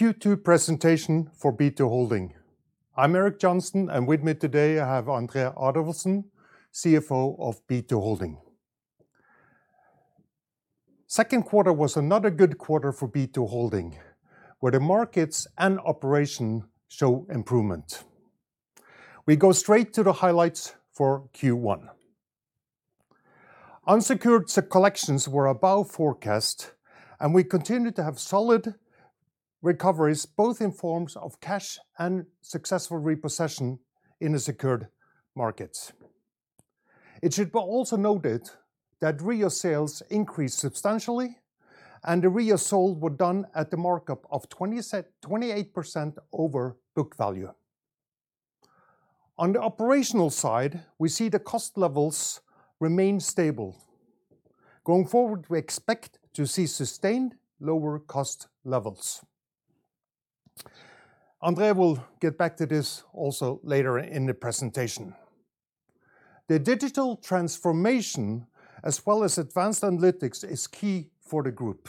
The Q2 presentation for B2Holding. I'm Erik Johnsen, with me today, I have André Adolfsen, CFO of B2Holding. Second quarter was another good quarter forB2Holding, where the markets and operation show improvement. We go straight to the highlights for Q1. Unsecured collections were above forecast, we continued to have solid recoveries, both in forms of cash and successful repossession in the secured markets. It should be also noted that REO sales increased substantially, the REO sold were done at the markup of 28% over book value. On the operational side, we see the cost levels remain stable. Going forward, we expect to see sustained lower cost levels. André will get back to this also later in the presentation. The digital transformation, as well as advanced analytics, is key for the group.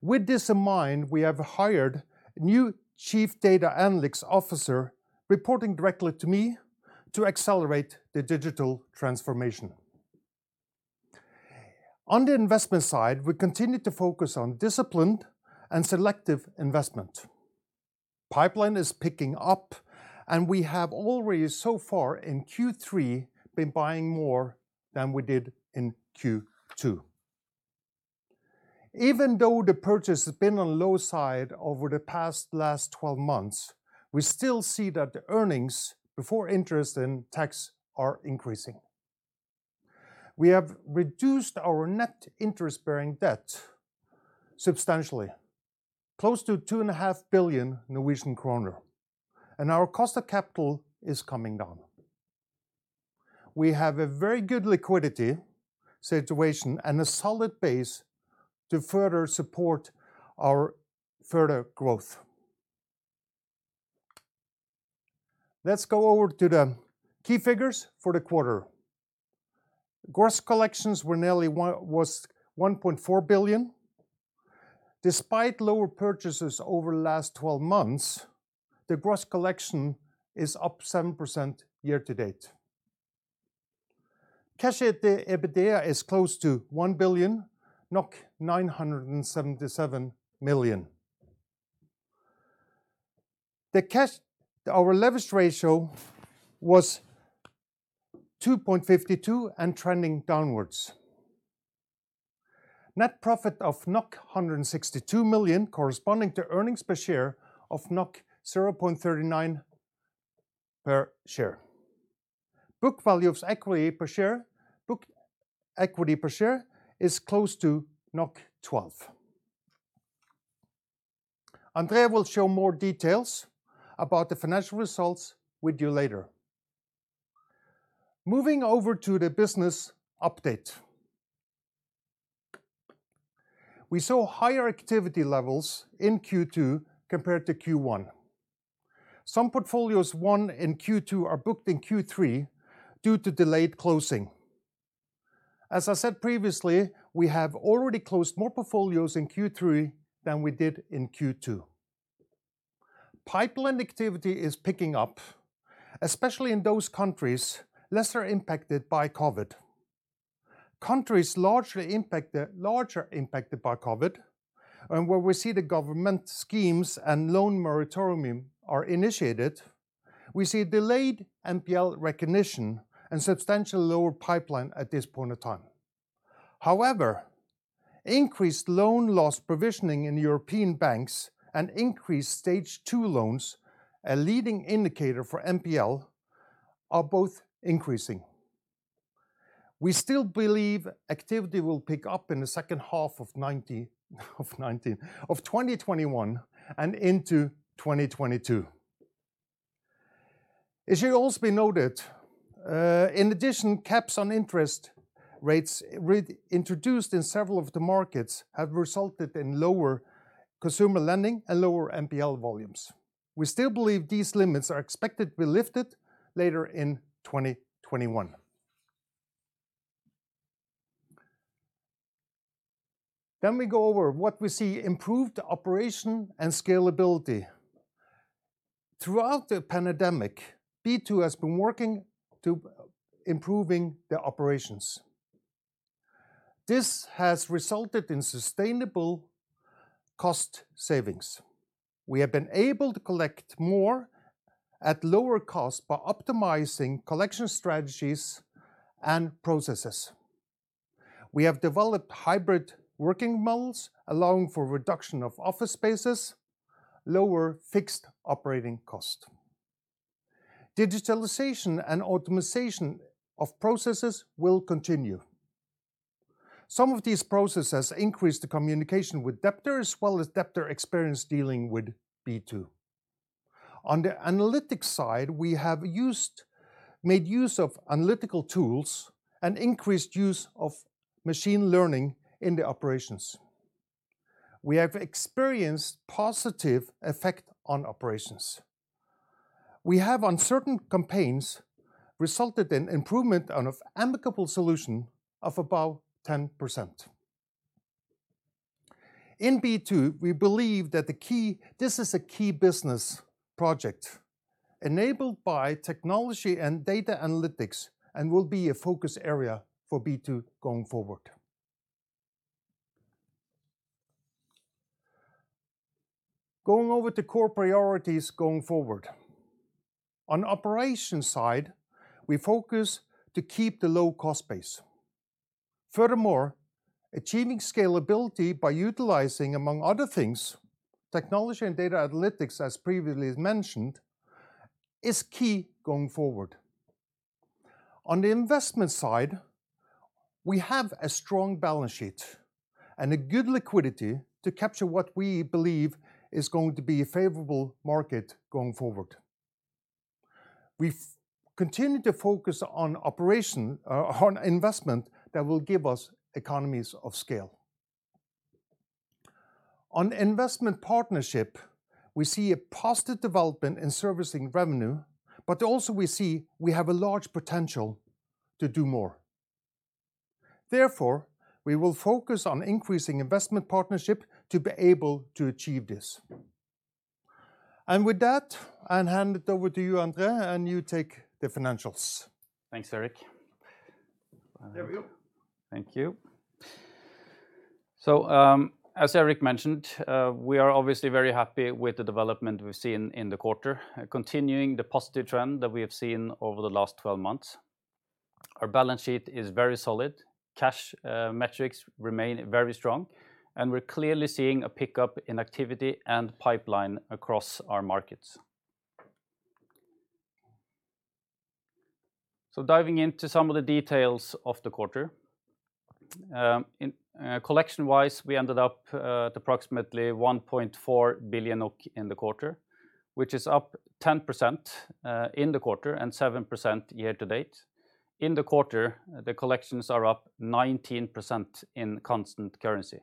With this in mind, we have hired a new Chief Data Analytics Officer, reporting directly to me, to accelerate the digital transformation. On the investment side, we continue to focus on disciplined and selective investment. Pipeline is picking up, and we have already so far in Q3 been buying more than we did in Q2. Even though the purchase has been on low side over the past last 12 months, we still see that the earnings before interest and tax are increasing. We have reduced our net interest-bearing debt substantially, close to 2.5 billion Norwegian kroner, and our cost of capital is coming down. We have a very good liquidity situation and a solid base to further support our further growth. Let's go over to the key figures for the quarter. Gross collections was 1.4 billion. Despite lower purchases over the last 12 months, the gross collection is up 7% year to date. Cash EBITDA is close to 1 billion, 977 million. Our leverage ratio was 2.52 and trending downwards. Net profit of 162 million, corresponding to earnings per share of 0.39 per share. Book value of equity per share is close to 12. André will show more details about the financial results with you later. Moving over to the business update. We saw higher activity levels in Q2 compared to Q1. Some portfolios won in Q2 are booked in Q3 due to delayed closing. As I said previously, we have already closed more portfolios in Q3 than we did in Q2. Pipeline activity is picking up, especially in those countries lesser impacted by COVID. Countries largely impacted by COVID and where we see the government schemes and loan moratorium are initiated, we see delayed NPL recognition and substantial lower pipeline at this point of time. However, increased loan loss provisioning in European banks and increased Stage 2 loans, a leading indicator for NPL, are both increasing. We still believe activity will pick up in the second half of 2021 and into 2022. It should also be noted, in addition, caps on interest rates introduced in several of the markets have resulted in lower consumer lending and lower NPL volumes. We still believe these limits are expected to be lifted later in 2021. We go over what we see improved operation and scalability. Throughout the pandemic, B2 has been working to improving the operations. This has resulted in sustainable cost savings. We have been able to collect more at lower cost by optimizing collection strategies and processes. We have developed hybrid working models allowing for reduction of office spaces, lower fixed operating cost. Digitalization and automation of processes will continue. Some of these processes increase the communication with debtors as well as debtor experience dealing with B2. On the analytics side, we have made use of analytical tools and increased use of machine learning in the operations. We have experienced positive effect on operations. We have on certain campaigns resulted in improvement on an amicable solution of above 10%. In B2, we believe that this is a key business project enabled by technology and data analytics and will be a focus area for B2 going forward. Going over to core priorities going forward. On operations side, we focus to keep the low cost base. Furthermore, achieving scalability by utilizing, among other things, technology and data analytics, as previously mentioned, is key going forward. On the investment side, we have a strong balance sheet and a good liquidity to capture what we believe is going to be a favorable market going forward. We've continued to focus on investment that will give us economies of scale. On investment partnership, we see a positive development in servicing revenue, but also we see we have a large potential to do more. Therefore, we will focus on increasing investment partnership to be able to achieve this. With that, I'll hand it over to you, André, and you take the financials. Thanks, Erik. There we go. Thank you. As Erik mentioned, we are obviously very happy with the development we've seen in the quarter, continuing the positive trend that we have seen over the last 12 months. Our balance sheet is very solid. Cash metrics remain very strong, and we're clearly seeing a pickup in activity and pipeline across our markets. Diving into some of the details of the quarter. Collection-wise, we ended up at approximately 1.4 billion in the quarter, which is up 10% in the quarter and 7% year-to-date. In the quarter, the collections are up 19% in constant currency.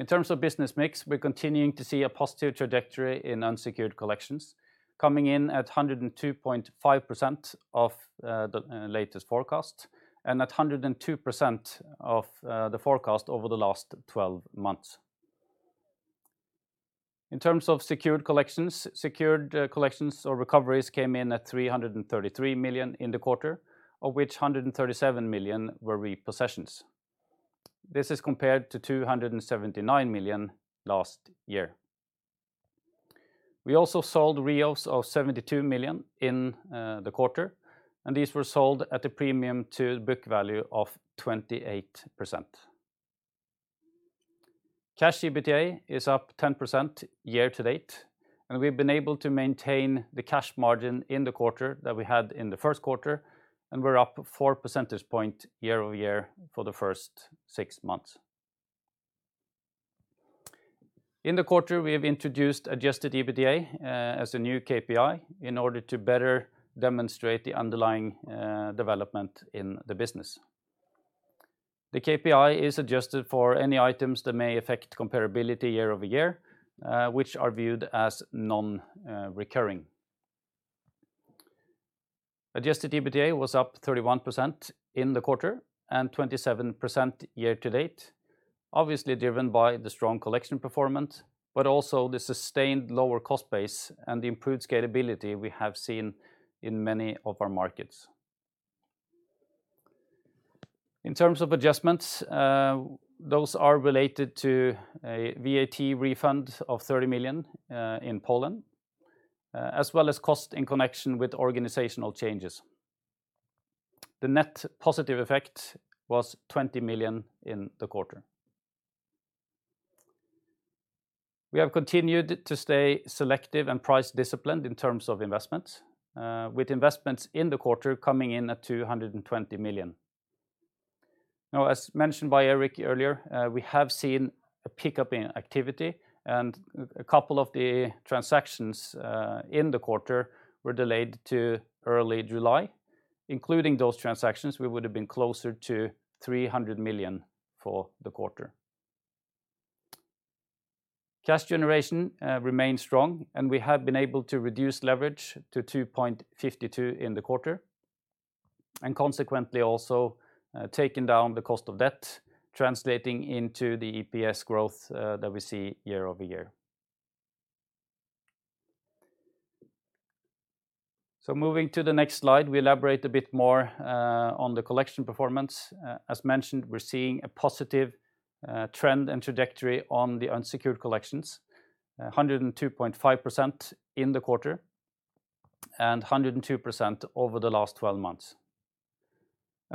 In terms of business mix, we're continuing to see a positive trajectory in unsecured collections, coming in at 102.5% of the latest forecast and at 102% of the forecast over the last 12 months. In terms of secured collections, secured collections or recoveries came in at 333 million in the quarter, of which 137 million were repossessions. This is compared to 279 million last year. We also sold REOs of 72 million in the quarter, and these were sold at a premium to book value of 28%. Cash EBITDA is up 10% year to date, and we've been able to maintain the cash margin in the quarter that we had in the first quarter, and we're up 4 percentage point year-over-year for the first six months. In the quarter, we have introduced Adjusted EBITDA as a new KPI in order to better demonstrate the underlying development in the business. The KPI is adjusted for any items that may affect comparability year-over-year, which are viewed as non-recurring. Adjusted EBITDA was up 31% in the quarter and 27% year to date, obviously driven by the strong collection performance, but also the sustained lower cost base and the improved scalability we have seen in many of our markets. In terms of adjustments, those are related to a VAT refund of 30 million in Poland, as well as cost in connection with organizational changes. The net positive effect was 20 million in the quarter. We have continued to stay selective and price disciplined in terms of investments, with investments in the quarter coming in at 220 million. Now, as mentioned by Erik earlier, we have seen a pickup in activity and a couple of the transactions in the quarter were delayed to early July. Including those transactions, we would have been closer to 300 million for the quarter. Cash generation remains strong. We have been able to reduce leverage to 2.52 in the quarter, and consequently also taken down the cost of debt, translating into the EPS growth that we see year-over-year. Moving to the next slide, we elaborate a bit more on the collection performance. As mentioned, we're seeing a positive trend and trajectory on the unsecured collections, 102.5% in the quarter and 102% over the last 12 months.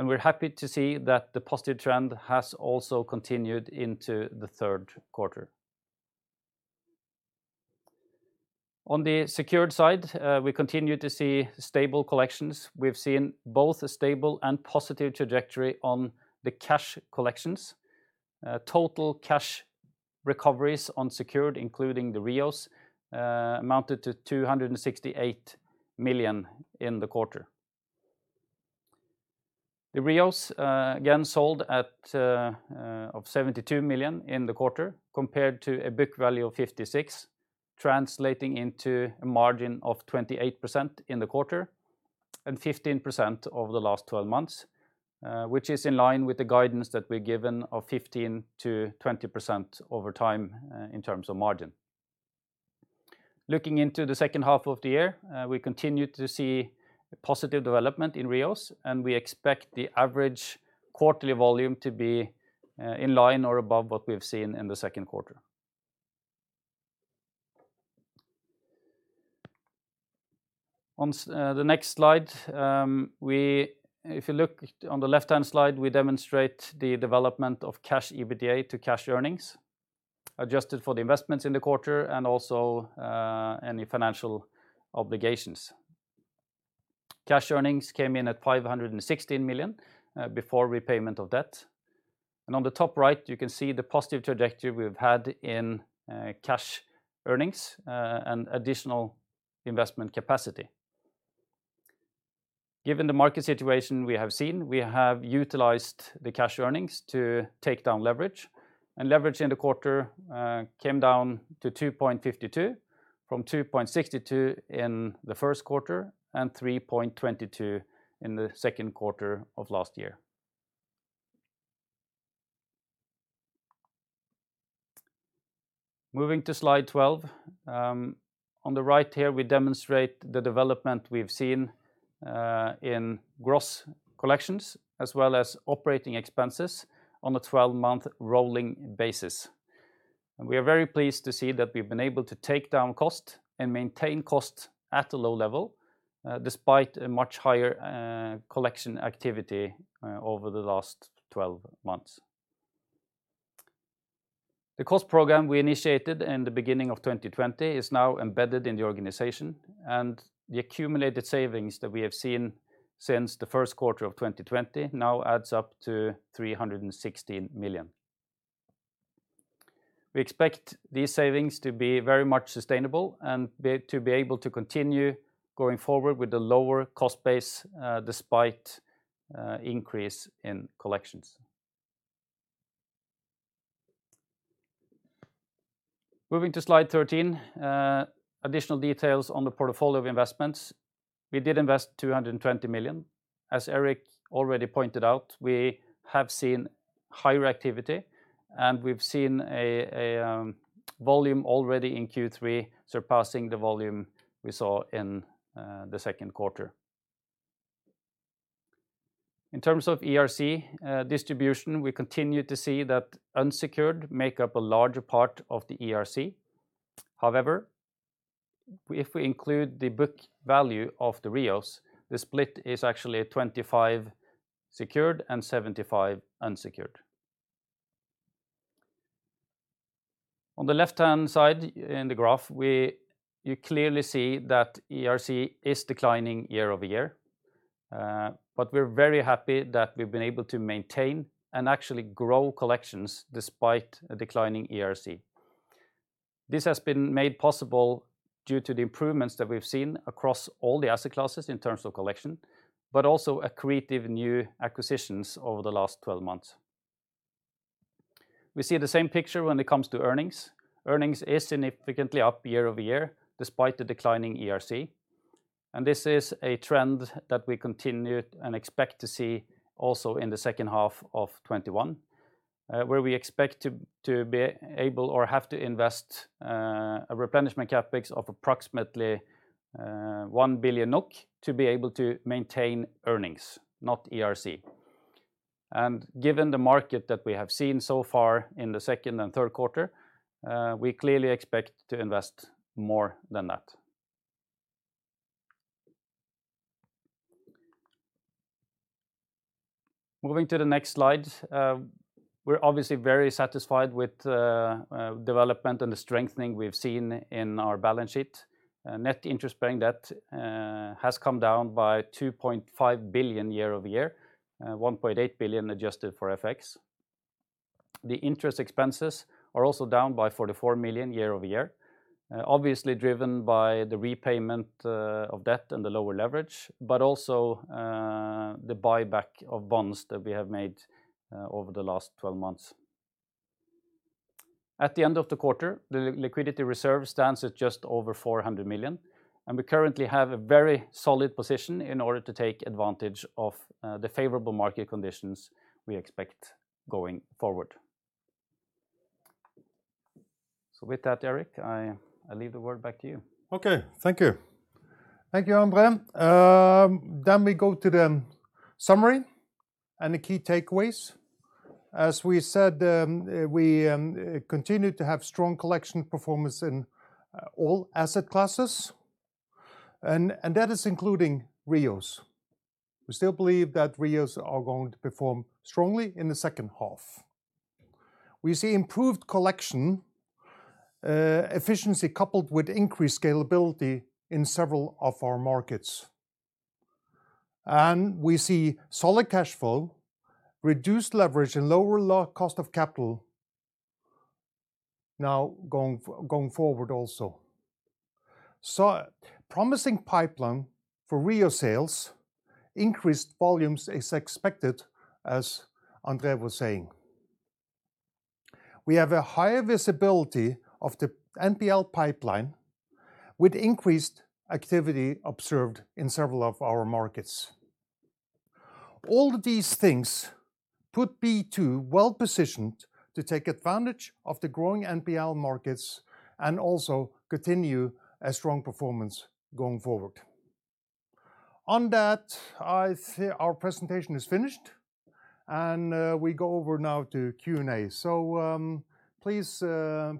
We're happy to see that the positive trend has also continued into the third quarter. On the secured side, we continue to see stable collections. We've seen both a stable and positive trajectory on the cash collections. Total cash recoveries on secured, including the REOs, amounted to 268 million in the quarter. The REOs again sold at 72 million in the quarter compared to a book value of 56 million, translating into a margin of 28% in the quarter and 15% over the last 12 months, which is in line with the guidance that we've given of 15%-20% over time in terms of margin. Looking into the second half of the year, we continue to see a positive development in REOs, we expect the average quarterly volume to be in line or above what we've seen in the second quarter. On the next slide, if you look on the left-hand slide, we demonstrate the development of Cash EBITDA to cash earnings, adjusted for the investments in the quarter and also any financial obligations. Cash earnings came in at 516 million before repayment of debt. On the top right, you can see the positive trajectory we've had in cash earnings and additional investment capacity. Given the market situation we have seen, we have utilized the cash earnings to take down leverage, and leverage in the quarter came down to 2.52 from 2.62 in the first quarter and 3.22 in the second quarter of last year. Moving to slide 12. On the right here, we demonstrate the development we've seen in gross collections as well as operating expenses on a 12-month rolling basis. We are very pleased to see that we've been able to take down cost and maintain cost at a low level despite a much higher collection activity over the last 12 months. The cost program we initiated in the beginning of 2020 is now embedded in the organization, and the accumulated savings that we have seen since the first quarter of 2020 now adds up to 316 million. We expect these savings to be very much sustainable and be able to continue going forward with the lower cost base despite increase in collections. Moving to slide 13, additional details on the portfolio of investments. We did invest 220 million. As Erik already pointed out, we have seen higher activity, and we've seen a volume already in Q3 surpassing the volume we saw in the second quarter. In terms of ERC distribution, we continue to see that unsecured make up a larger part of the ERC. However, if we include the book value of the REOs, the split is actually 25 secured and 75 unsecured. On the left-hand side in the graph, you clearly see that ERC is declining year-over-year. We're very happy that we've been able to maintain and actually grow collections despite a declining ERC. This has been made possible due to the improvements that we've seen across all the asset classes in terms of collection, but also accretive new acquisitions over the last 12 months. We see the same picture when it comes to earnings. Earnings is significantly up year-over-year despite the declining ERC. This is a trend that we continue and expect to see also in the second half of 2021, where we expect to be able or have to invest a replenishment CapEx of approximately 1 billion NOK to be able to maintain earnings, not ERC. Given the market that we have seen so far in the second and third quarter, we clearly expect to invest more than that. Moving to the next slide. We're obviously very satisfied with the development and the strengthening we've seen in our balance sheet. Net interest-bearing debt has come down by 2.5 billion year-over-year, 1.8 billion adjusted for FX. The interest expenses are also down by 44 million year-over-year, obviously driven by the repayment of debt and the lower leverage, but also the buyback of bonds that we have made over the last 12 months. At the end of the quarter, the liquidity reserve stands at just over 400 million, and we currently have a very solid position in order to take advantage of the favorable market conditions we expect going forward. With that, Erik, I leave the word back to you. Okay. Thank you. Thank you, André. We go to the summary and the key takeaways. As we said, we continue to have strong collection performance in all asset classes, and that is including REOs. We still believe that REOs are going to perform strongly in the second half. We see improved collection efficiency coupled with increased scalability in several of our markets. We see solid cash flow, reduced leverage and lower cost of capital now going forward also. Promising pipeline for REO sales, increased volumes is expected, as André was saying. We have a higher visibility of the NPL pipeline with increased activity observed in several of our markets. All these things put B2 well positioned to take advantage of the growing NPL markets and also continue a strong performance going forward. On that, our presentation is finished and we go over now to Q&A. Please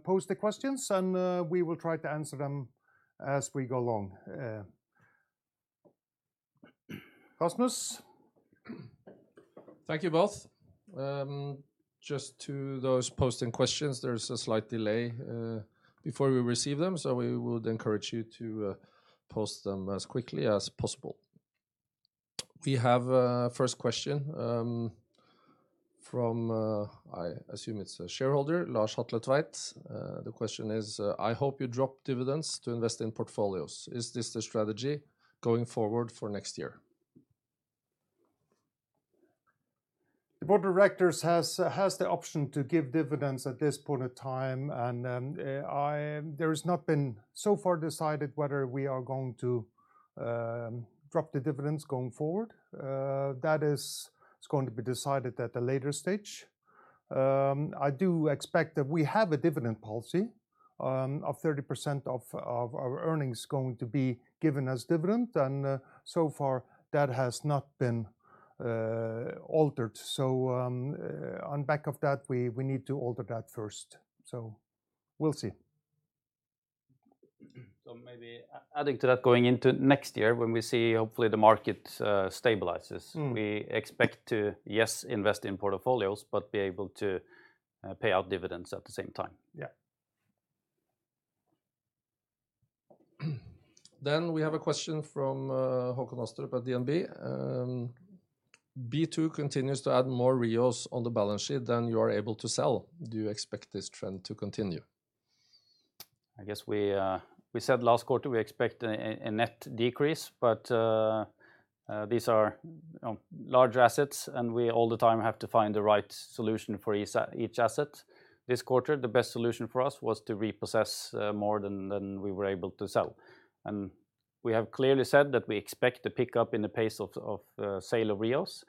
post the questions and we will try to answer them as we go along. Rasmus? Thank you both. Just to those posting questions, there is a slight delay before we receive them, so we would encourage you to post them as quickly as possible. We have first question from, I assume it's a shareholder, Lars Hatletveit. The question is, "I hope you drop dividends to invest in portfolios. Is this the strategy going forward for next year? The board of directors has the option to give dividends at this point of time, and there has not been so far decided whether we are going to drop the dividends going forward. That is going to be decided at a later stage. I do expect that we have a dividend policy of 30% of our earnings going to be given as dividend, and so far that has not been altered. On back of that, we need to alter that first. We'll see. Maybe adding to that, going into next year, when we see hopefully the market stabilizes. We expect to, yes, invest in portfolios but be able to pay out dividends at the same time. Yeah. We have a question from Håkon Astrup at DNB. "B2 continues to add more REOs on the balance sheet than you are able to sell. Do you expect this trend to continue? I guess we said last quarter we expect a net decrease, but these are large assets and we all the time have to find the right solution for each asset. This quarter, the best solution for us was to repossess more than we were able to sell. We have clearly said that we expect a pickup in the pace of sale of REOs,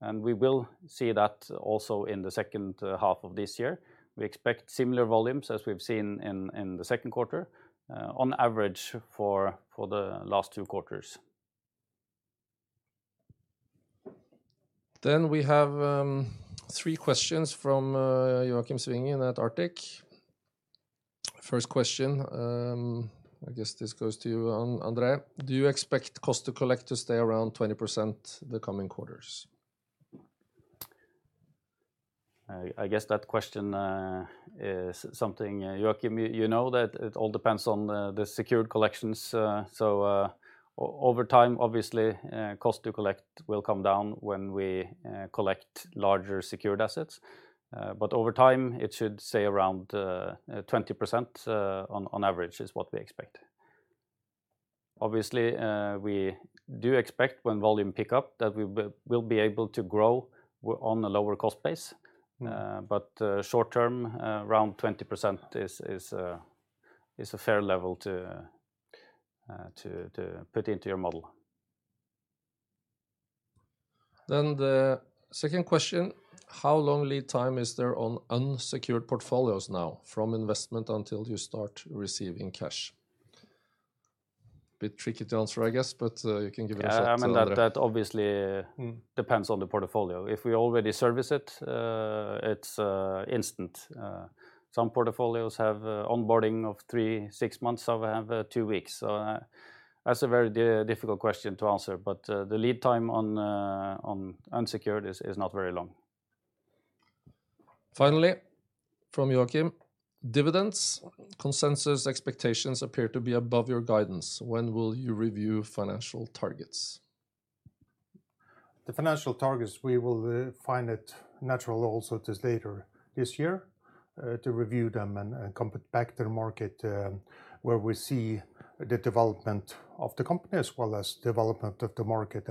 and we will see that also in the second half of this year. We expect similar volumes as we've seen in the second quarter, on average for the last two quarters. We have three questions from Joakim Svingen at Arctic. First question, I guess this goes to you, André. "Do you expect cost to collect to stay around 20% the coming quarters? I guess that question is something, Joakim, you know that it all depends on the secured collections. Over time, obviously, cost to collect will come down when we collect larger secured assets. Over time it should stay around 20%, on average is what we expect. Obviously, we do expect when volume pick up that we will be able to grow on a lower cost base. Short term, around 20% is a fair level to put into your model. The second question, "How long lead time is there on unsecured portfolios now from investment until you start receiving cash?" Bit tricky to answer, I guess, but you can give it a shot. That obviously depends on the portfolio. If we already service it's instant. Some portfolios have onboarding of three, six months. Some have two weeks. That's a very difficult question to answer. The lead time on unsecured is not very long. Finally, from Joakim. "Dividends consensus expectations appear to be above your guidance. When will you review financial targets? The financial targets, we will find it natural also this later this year to review them and come back to the market where we see the development of the company as well as development of the market.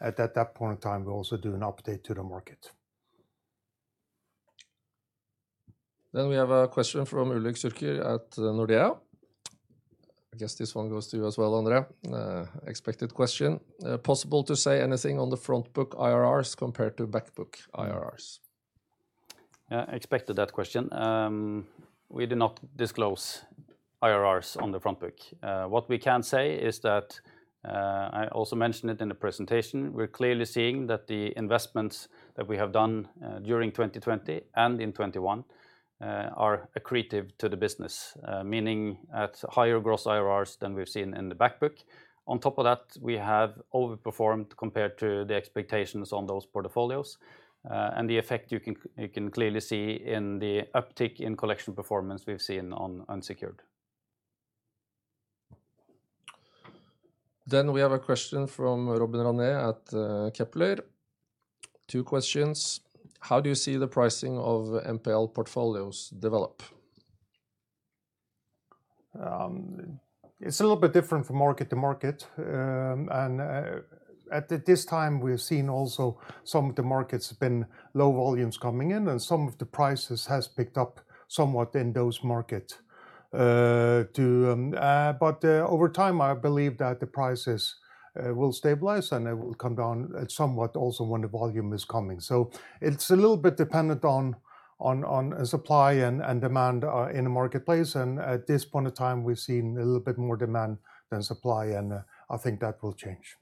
At that point in time, we'll also do an update to the market. We have a question from Ulrik Årdal Zürcher at Nordea. I guess this one goes to you as well, André. Expected question. "Possible to say anything on the front book IRRs compared to back book IRRs? Expected that question. We do not disclose IRRs on the front book. What we can say is that, I also mentioned it in the presentation, we're clearly seeing that the investments that we have done during 2020 and in 2021 are accretive to the business. Meaning at higher gross IRRs than we've seen in the back book. On top of that, we have overperformed compared to the expectations on those portfolios. The effect you can clearly see in the uptick in collection performance we've seen on unsecured We have a question from Robin Rane at Kepler. Two questions. How do you see the pricing of NPL portfolios develop? It's a little bit different from market to market, and at this time we have seen also some of the markets have been low volumes coming in, and some of the prices has picked up somewhat in those market. Over time, I believe that the prices will stabilize, and it will come down somewhat also when the volume is coming. It's a little bit dependent on supply and demand in the marketplace, and at this point in time, we've seen a little bit more demand than supply, and I think that will change.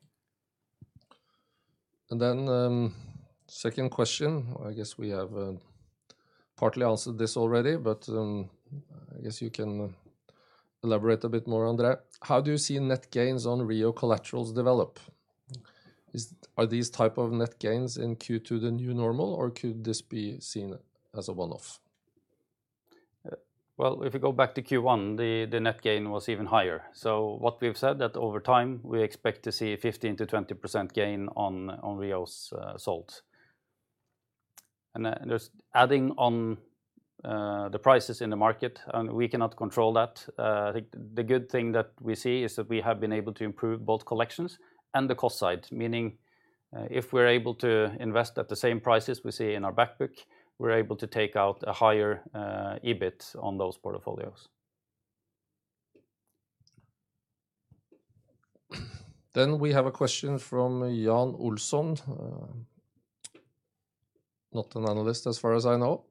Second question, I guess we have partly answered this already, but I guess you can elaborate a bit more, André. How do you see net gains on REO collaterals develop? Are these type of net gains in Q2 the new normal, or could this be seen as a one-off? If you go back to Q1, the net gain was even higher. What we have said, that over time we expect to see a 15%-20% gain on REOs sold. Just adding on the prices in the market, and we cannot control that. I think the good thing that we see is that we have been able to improve both collections and the cost side, meaning if we're able to invest at the same prices we see in our back book, we're able to take out a higher EBIT on those portfolios. We have a question from Jan Olsson. Not an analyst as far as I know.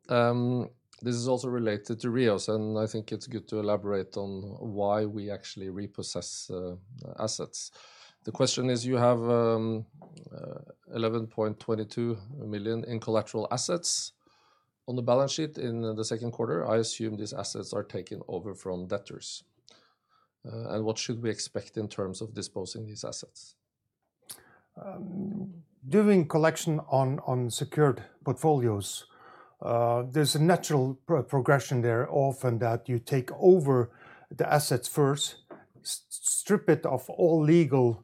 This is also related to REOs. I think it's good to elaborate on why we actually repossess assets. The question is, you have 11.22 million in collateral assets on the balance sheet in the second quarter. I assume these assets are taken over from debtors. What should we expect in terms of disposing these assets? During collection on secured portfolios, there's a natural progression there often that you take over the assets first, strip it of all legal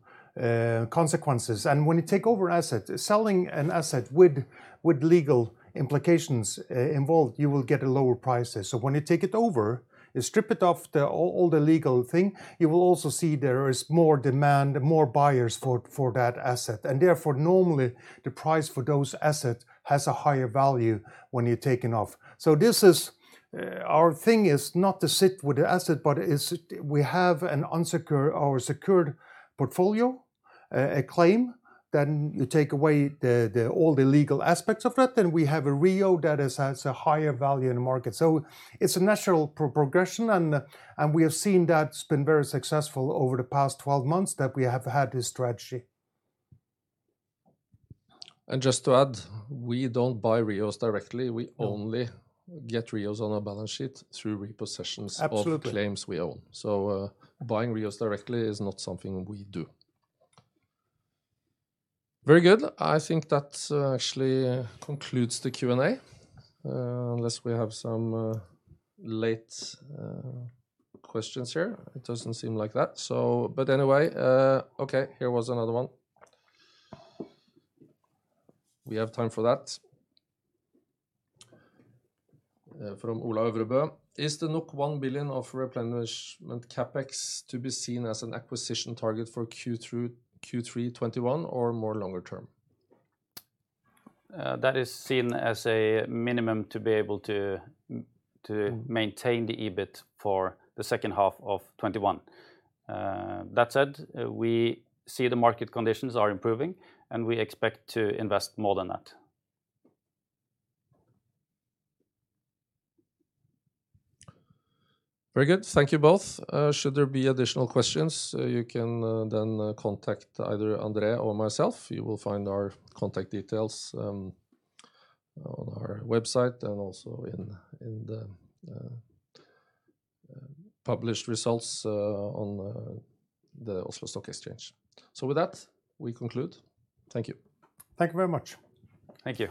consequences. When you take over asset, selling an asset with legal implications involved, you will get a lower prices. When you take it over, you strip it of all the legal aspects, you will also see there is more demand, more buyers for that asset. Therefore, normally the price for those asset has a higher value when you're taken off. Our thing is not to sit with the asset, but we have our secured portfolio, a claim. Then you take away all the legal aspects of that, then we have a REO that has a higher value in the market. It's a natural progression, and we have seen that it's been very successful over the past 12 months that we have had this strategy. Just to add, we don't buy REOs directly. We only get REOs on our balance sheet through repossessions. Absolutely of claims we own. Buying REOs directly is not something we do. Very good. I think that actually concludes the Q&A. Unless we have some late questions here. It doesn't seem like that. Anyway, okay, here was another one. We have time for that. From Ola Øvrebø. Is the 1 billion of replenishment CapEx to be seen as an acquisition target for Q3 2021 or more longer term? That is seen as a minimum to be able to maintain the EBIT for the second half of 2021. That said, we see the market conditions are improving, and we expect to invest more than that. Very good. Thank you both. Should there be additional questions, you can contact either André or myself. You will find our contact details on our website and also in the published results on the Oslo Stock Exchange. With that, we conclude. Thank you. Thank you very much. Thank you.